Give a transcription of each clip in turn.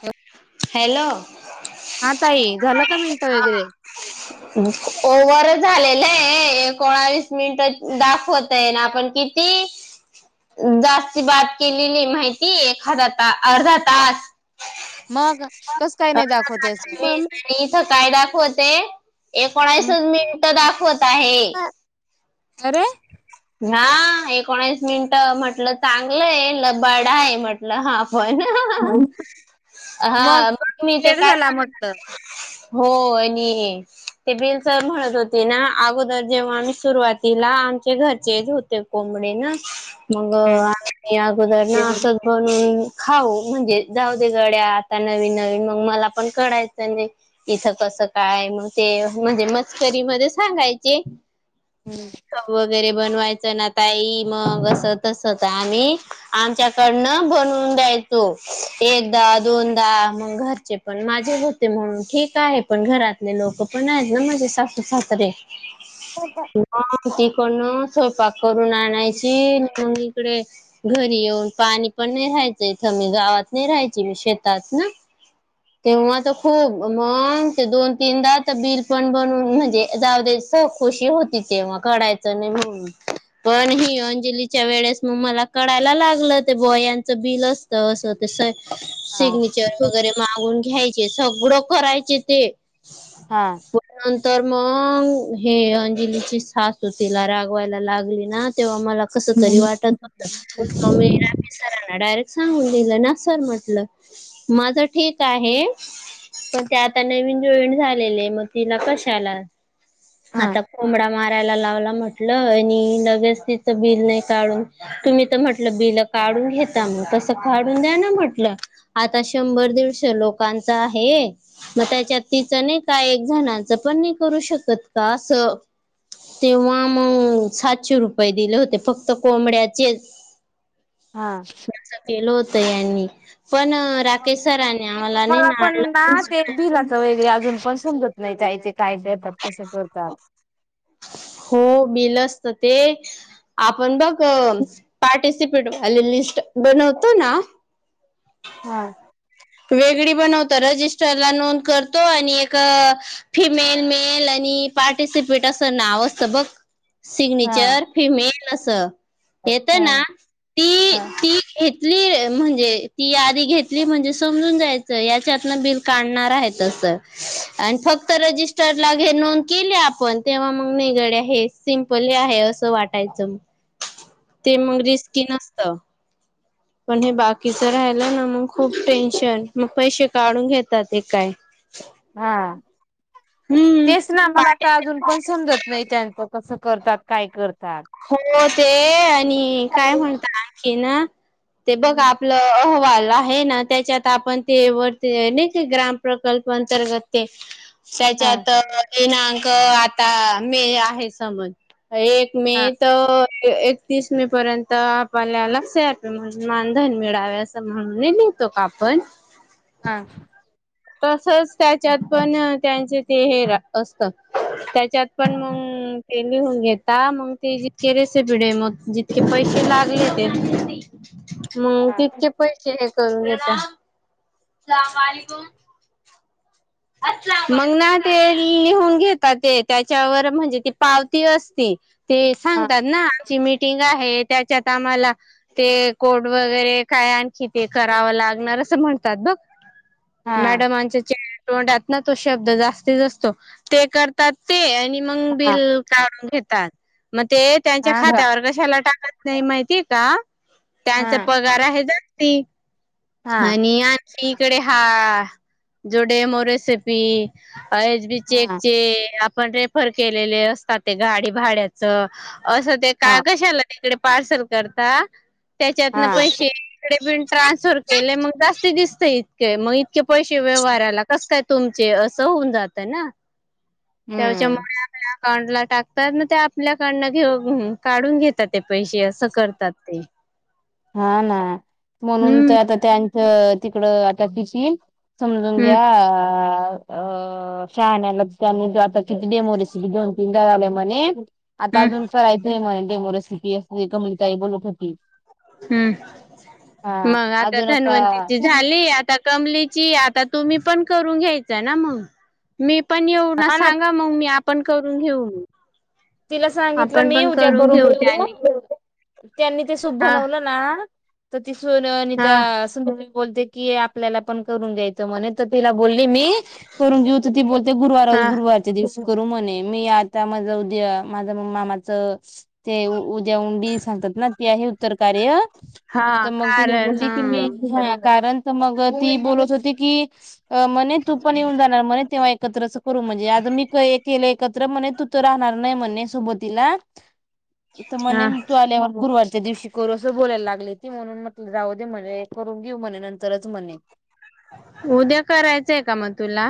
ठेव हॅलो झालं का मिनट हा वगैरे फोनवरच झालेलंय एकोणावीस मिनिट दाखवत आहे ना पण किती जास्ती बात केलेली माहिती एखादा तास अर्धा तास मग कस काय नाही दाखवतेस व्हय हम्म आणि इथं काय दाखवते एकोणासच मिनीट तर दाखवत आहे अरे ना एकोणीस मिनिट म्हटलं चांगलं आहे लबाडा आहे म्हटलं हा होय ना हाहा हा मग मी किती ते वेळ काय झाला म्हटलं सांग हो आणि ते बिल तर म्हणत होते ना अगोदर जेव्हा आम्ही सुरुवात तिला आमच्या घरचेच होते कोंबडे ना मग हम्म. आ आगोदर ना असच खाऊ म्हणजे जाऊ दे गड्या आता नवीन नवीन मग मला पण करायचं नाही इथं कसं काय मग ते म्हणजे मस्करी मध्ये सांगायचे वगैरे बनवायचं ना ताई मग अस तसं आम्ही आमच्याकडन बनून द्यायचं एकदा दोनदा मग घरचे पण माझे होते म्हणून ठीक आहे पण घरातले लोक पण आहेत ना म्हजे सासू सासरे होता किती कोण स्वयंपाक करून आणायची इकडे घरी येऊन पाणी पण नाही राहायचं इथं मी गावात नाही राहायची मी शेतात ना तेव्हा तर खूप मग ते दोन तीनदा तर बिल पण बनवून म्हणजे जा खुशी होती तेव्हा कढायचं नाही म्ह पण हि अंजलीच्या वेळेस मग मला कळाायला लागलं ते बॉयांचं बिल असत असं ते हा सिग्नेचर वगैरे मागून घ्यायचे सगळं करायचे ते हा तर मग हे अंजलीची सासू तिला रागवायला लागली ना तेव्हा मला तरी वाटत होत म राडायरेक् सांगून दिलं ना सर म्हटलं माझ ठीक आहे पण ते आता नवीन जॉईन झालेले मग तिला कशाला हा आता कोंबडा माराय लाव म्हट लगेच ति बिल नाही काढून तुम्ही तर म्हटलं ब काढून घेता मग तसं काढून द्या ना म्हटलं आता शंभर दीडश लोकांच आहे मग त्याच्या तीच नाही का एक जणांचं पण नाही करू शकत का असं तेव्हा मग सातशे रुपये दिले होते फक्त कोंबड्याचेच हा केल होत यांनी पण राकेश सरांनी ते आम्हाला नाही मला पण ना आणलं ते बिलाचं वगरे अजून पण समजत नाही जायचे काय जतात कसं करतात हो आपण ब प्टसिपेट होत ना हा वेगळी बनवत रजिस्टला नोंद करतो आणि एक फिमेल मेल आणि पार्टिसिपेट असं नाव असतं बघ हा सिग्नेचर फिमेल अस घेतना हा ती हा ती म्हणजे ती घेतली म्हणजे समजून जायचं याच्यातन बिल काढणार आहे तसं आणि फक्त रजिस्टरला घे नोंद केली आपण तेव्हा मग नि गड हे सिमपल आहे असं वाटायचं ते मगजे स्किन असत पण हे बाकीच राहिलं ना मग खूप टेन्शन मग पैसे काढून घेतात ते काय हा हम्म तेच ना मला पाठी आता अजून पण समजत नाही त्यां कस करतात काय करतात हो ते आणि काय म्हणत आणखी ना ते बघा आपलं आहे ना त्याच्यात आपण ते वरती ते ग्राम प्रकल्प अंतर्गत ते हा त्याच्यात दिनांक आता मे आहे समज एक म हा तर एकतीस मे पर्यंत आपल्याला लक्ष रुपये म्हणून मानधन मिळावे असं म्हणूनि ो का आपण हा तसच त्याच्यात पण त्यांच ते हे असत त्यात पण हा मग फेंली होऊन घेत मग ते जितकलेस बिडे मग जितके पैसे लागले ते मग तितके पैसे घकुम मग ना ते लिहून घेतातात त्याच्यावर म्हणजे ती पावती असती ते हा सांगतात ना आमची मीठ आहे त्याच्यात आम्हाला ते कोड वगैरे काय आणखी ते कराव लागणार म्हणतात ब हा मॅडम तोडात ना तो शब्द जास्ती जास्तो ते करतात ते आणि हा बून घ म त्यांच्या हा का खात्यावर कशाला नाही माहितीय का हा त्यांचा पगार आहे जास्ती हा आणि आणखी इकडे हा जोडेमोरेसिपी एच बी हा चेकचे आपण रेफर केलेले असतात ते गाडी भाड्याच असं ते हा कागशाला तिकडे पार्सल करता त्याच्यातन हा पैसेकडे ट्रान्सफर केले मग जास्ती दिसत इतके मग पैसे व्यवहाराला कस काय तुमचे असं होऊन जातं ना त्यावच्या हम्म मो अकाउंट ला टाकतात मग ते आपल्याक घेऊ काढून घेतात ते पैसे असं करतात ते हा ना म्हणून हम्म तर आता त्यांचं तिकड आता किती सुमलंग हम्म अ शहाण्याला त्यानी आता किती डेमोरेसिी दोन तीन जावले म्हणे आता हम्म अजून करायचंय मणे डेमोरेसिपी अस मिळत बोलू खी हम् मग आता धन्वंतीची झाली आता कमली आता तुम्ही पण करून घ्याय ना मग मी पण ये हा ना सांगा मग मी आपण करून घेऊ मी तिला सांगितलं मी उज्या त्यानी करून त्यांनी ते सूप हा बनवलं ना तिथूनिता हा सुध बोलते की आपल्याला पण करून घ्यायचं म्हणे तर तिला बोल मी करून घेऊ ती बोलते गुरुवार हा गुरुवारचे दिवस करू म्हणे मी आता माझ उद्या माझं म मामाचं ते उद्या उंडी सांगतात ना ती आहे उत्तर कार्य हा तर मग तिने कारण बोलली हा. की मी कारण तर मग ती बोलत होती की म्ह तू पण येऊन जाणार म्ह तेव्हा एकत्र करू म्हणजे आ मी केलं एकत्र म्हणे तू तर राहणार नाही म्हणणे सोबतीला तर मणे हा तू आल्यावर गुरवार च्या दिवशी करू असं बोलायला लागले ती म्हणून म्हट जाऊ दे म्हणे करून घेऊ म्हणे नंतरच म्हणे उद्या करायचंय का मग तुला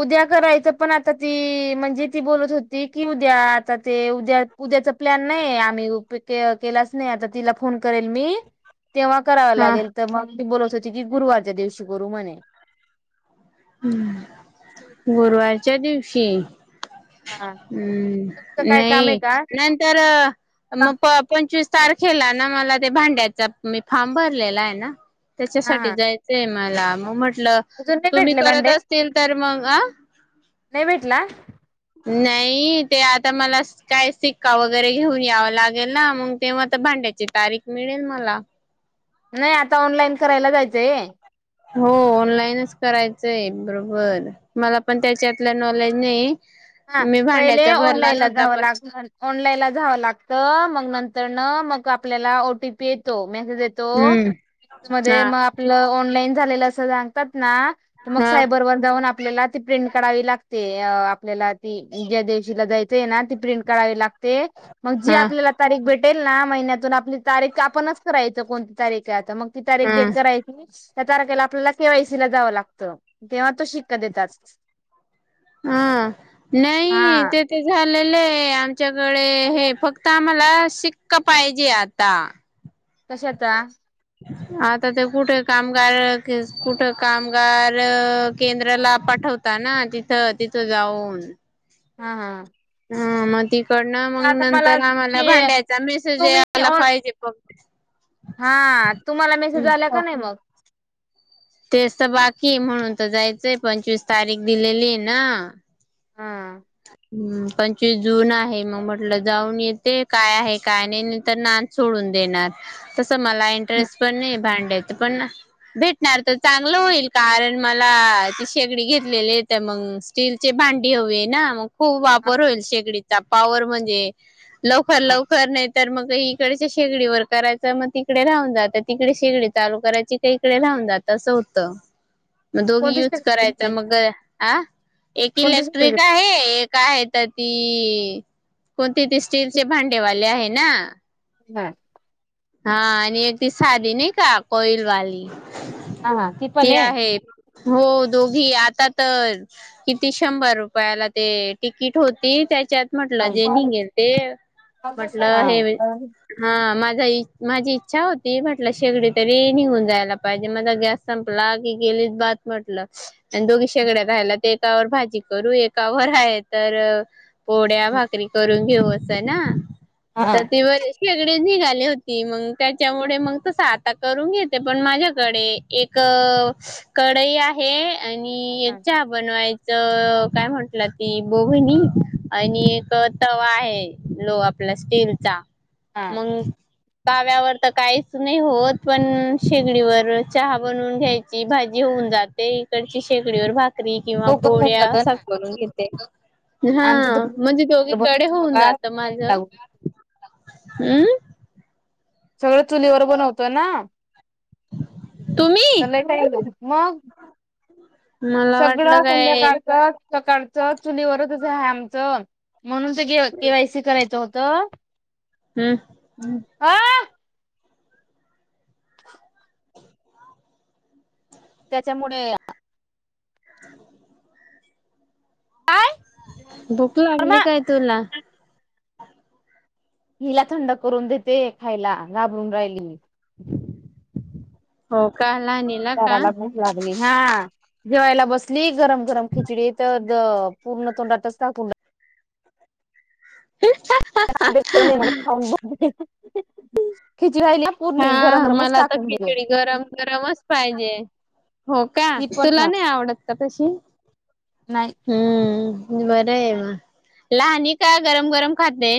उद्या करायचं पण आता ती म्हणजे ती बोलत होती की उद्या आता ते उद्या उद्याचा प्लॅन नाही आम्ही केलाच नाही आता तिला फोन करेल मी तेव्हा कराव हा लागेल तर मग ती बोलत होती की गुरुवारच्या दिवशी गुरु म्हणे हम् गुरुवारच्या दिवशी हा तुमचं हम्म काय नाही काम आहे का नंतर मग पंचवीस तारखेला ना मला ते भांड्याचा मी फारम भरलेला आहे ना हा त्याच्यासाठी हा जायचंय. मला मग म्हटलं अजून नाही तुम्ही भेटले करत भांडे असतील तर मग अ नाही भेटला? नाही ते आता मला काय सिक्का वगैरे घेऊन यावां लागेल ना, मग ते आता भांड ची तारीख मिळेल मला. नाही आता ऑनलाईन करायला जायचंय. हो ऑनलाईनच करायचंय बरोबर. मला पण त्याच्यातलं नॉलेज नाही. हा मी पहिले भांड्याचा भरला ऑनलाईनला नव्हता जाव पण लाग ऑनलाईनला जावं लागत मग न तर मग आपल्याला ओटीपी येतो, मेसेज येतो हम्म मध्ये हा मग आपलं ऑनलाइन झालं असं सांगतात ना तर मग हा सायबर वर जाऊन आप आपल्याला ती प्रिंट काढावी लागते. अ आ आपल्याला ती ज्या दिवशीला जायचय ना ती प्रिंट करावी लागते. मग जी हा आपल्याला तारीख भेट वाटेल ना महिन्यातून आपली तारीख आपणच करायचं कोणती तारीख आहे. आता मग ती तारीख हा डेट करायची. त्या तारखेला आपल्याला केवायसी ला जावं लागतं तेव्हा तो शिक्का देतात. ह नाही हा ते ते झालेले आमच्याकडे हे फक्त आम्हाला ला शिक्का पाहिजे आता. कशाचा? आता ते कुठे कामगार कुठे कामगार केंद्राला पा ठवता ना तिथ तिथ जाऊन. हा हा. हा मग तिकडनं ते मग आता मला नंतर आम्हाला तुम्ही भांड्याचा मेसेज आहे तुम्ही आम्हाला ऑ पाहिजे प हा तुम्हाला मेसेज आल्या का नाही मग? तेच तर बाकी म्हणून तर जायचंय पंचवीस तारीख दिलेली आहे ना. हा. हम्म पंचवीस जून आहे मग म्हटलं जाऊन येते काय आहे काय नाही? नाहीतर नाद सोडून देणार. तसं मला इंटरेस्ट पण नाहीये भांड् ड्यात. पण भेटणार तर चांगलं होईल कारण मला ती शेगडी घेतलेली आहे मग मग स्टीलचे भांडी हवे ना. मग खूप हा वापर होईल शेकडीचा पॉवर म्हणजे लवकर हा लवकर नाही तर मग इकडेच्या शेगडी वर करायच मग तिकडे राहुन जात तिकडे शेगडी चालू करायची का इकडे राहुन जात तसं होत. मग दोन्ही कोणती युज स्टेप घेतली करायचा ह एक कोणती स्टेप इलेक्ट्रिक घेतली? आहे, एक आहे तर ती कोणती ते स्टीलचे भांडेवाले आहे ना. हम्म. हा आणि एक दिस साधी नाही का कोइलवाली हा हा ती पण ते आहे. हो दोघी आता तर किती शंभर रुपयाला ते तिकीट होती. त्या च्यात हा. म्हटलं जे निघेल ते हा म्हटलं हे हा माझा माझी इच्छा होती म्हट शेगडी तरी निघून जायला पाहिजे माझा गॅस संपला की गेली ब म्हटलं आणि दोघी शेगड्या भेटल्या. तर एकावर भाजी करू एकावर आहे तर पोळ्या, भाकरी करून घेऊ असं ना. हा तर ते बर शेगडे निघाले होते. मग त्याच्यामुळे मग त आता करून घेते. पण माझ्याकडे एक कढई आहे आणि एक चहा बनवाय च काय म्हटलं ती भोगुनी आणि एक तवा आहे लो आप आपला स्टीलीलचा हा. मग तव्यावर तर काहीच नाही होत पण शेगडीवर चहा बनवून घ्यायची, भाजी हो ऊन जाते. इकडची शेकडीवर भाकरी किंवा लवकर होऊन पोळ्या जात असा ना करून घेते. हा आमचं तर पूर्ण म्हणजे चुलीवर दोन्हीकडे बनवतो होऊन बाबा जात माझ. टाइम लागून हमम सगळं चुलीवर बनवतोय ना तुम्ही चला मग मला वाटलं सगळं काय संध्याकाळच सकाळचं चुलीवरच आहे आमचं म्हणून ते केवायसी करायचं होत त हम् हम्म आा [inaudible] त्याच्यामुळे [unintelligible] काय भूक मा लागली काय तुला हिला थंड करून देते खायला घाबरून राहिली हो का लहानीला का स्वराला भुक लागली ना जेवायला बसली गरम गरम खिचडी तर पूर्ण तोंडातच टाकून ह् [unintelligible] म्ह बघ [unintelligible] हा गरम गरमच मला तर टाकून दिले खिचडी गरम गरमच पाहिजे. हो का ही पण तुला ना नाही आवडत का तशी नाही हम्म बरं आहे म लहानी का गरम गरम खाते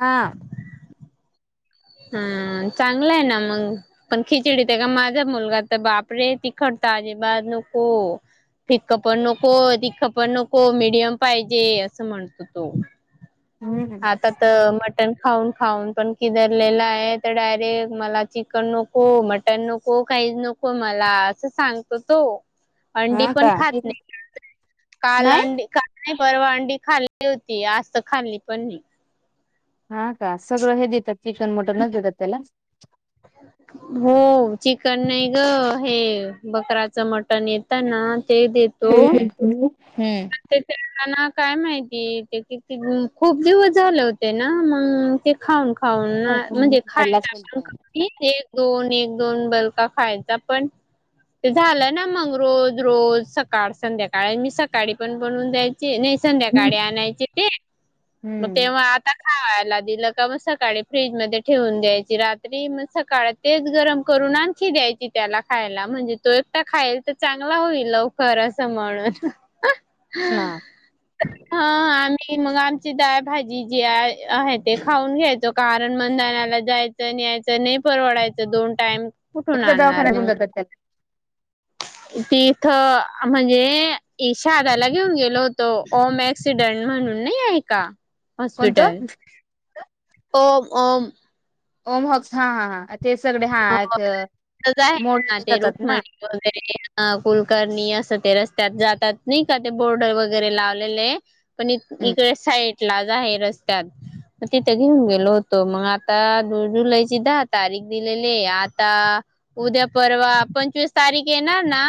हा हा चांगला आहे ना मग पण खिचडीत का माझा मुलगा तर बापरे तिखट त अजिबात नको फिक्क पण नको तिख पण नको मिडियम पाहिजे असा म्हणतो तो हम्म आता तर मटन खाऊन खाऊन पण किद लेला आहे तर डायरेक्ट मला चिकन नको मटन नको काई नको मला अस सांगतो तो अंडी हा पण का खात नाही काल नाही अंडी का नाही परवा अडी खाल्ली होती आज तर खाल्ली पण नाही हा का सगळं हे देतात चिकन मटनच देतात त्याला ह [unintelligible] हो चिकन नाही ग हे बकराच मटण येतं ना ते देतो हम्म ते ते काय माहिती ते किती खूप दिवस झाले होते ना मग ते खाऊन खाऊन ना म्हणजे खायचा पण कमी एक दोन एक दोन बलका खायचा पण ते झालं ना मग रोज रोज सकाळ संध्याकाळी मी सका काळी पण बनवून द्यायची नाही संध्याकाळी आणायचे ते मग हम्म तेव्हा आता खायला दिलं का मग सकाळी फ्रीज मध्ये ठेवून द्यायची रात्री मग सकाळ तेच गरम कर रून आणखी द्यायची त्याला खायला म्हणजे तो एकटा खाईल तर चांगला होईल लवकर असं म्हणून हो ना आणि मग आमची दाळ भाजी जी आहे आहे ते खाऊन घ्यायचो कारण मंधनाला जायचं यायचं नाही परवडायचं दोन टाइम कुठून कोणत्या आणणार दवाखान्यात घेऊन मग जातात त्याला तिथं म्हणजे इशाहादयाला घेऊन गेलो होतो ओम अक्सिडंट म्हणून नाही आहे का कोणतं हॉस्पिटल ओम ओमहॉक्स हा हा हा ते सगळे हा एक आहे ना ते रुक्मणी वगैरे कुलकर्णी असं ते रस्त्यात जातात नाही का ते बोर्ड वगैरे लावलेले आहे पण इकडे साईट ला रस्त्यात म तिथे घेऊन गेलो होतो मग आता जुलैची दहा तारीख लिये आता उद्या परवा पंचवीस तारीख येणार ना